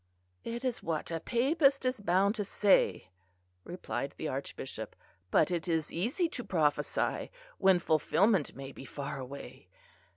"It is what a Papist is bound to say," replied the Archbishop; "but it is easy to prophesy, when fulfilment may be far away.